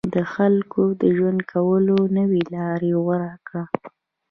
خلکو د ژوند کولو نوې لاره غوره کړه.